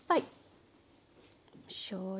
しょうゆ。